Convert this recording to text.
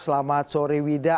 selamat sore wida